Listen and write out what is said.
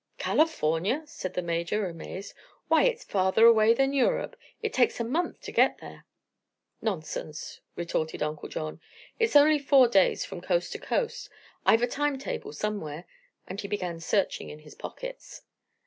"California!" said the Major, amazed; "why, it's farther away than Europe. It takes a month to get there." "Nonsense." retorted Uncle John. "It's only four days from coast to coast. I have a time table, somewhere," and he began searching in his pockets.